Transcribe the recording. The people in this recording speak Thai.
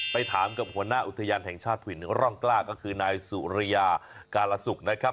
ไปถามกับหัวหน้าอุทยานแห่งชาติผินร่องกล้าก็คือนายสุริยากาลศุกร์นะครับ